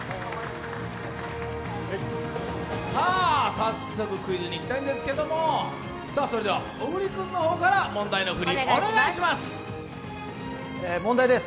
早速クイズに行きたいんですけども小栗君から問題の振り、お願いします。